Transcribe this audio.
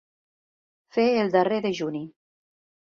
Fer el darrer dejuni.